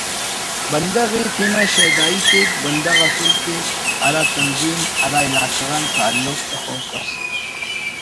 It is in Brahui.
بندغ ءِ تینا شیدائی کیک بندغ اسُل کہ ہرا تنظیم ہرا علاقہ غان تعلق تخوسس